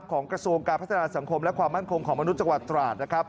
ของกระทรวงการพัฒนาสัมคมและความมันคงของมนุษย์จังหวัดตราช